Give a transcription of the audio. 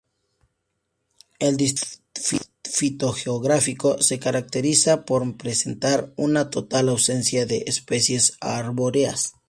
El distrito fitogeográfico se caracteriza por presentar una total ausencia de especies arbóreas.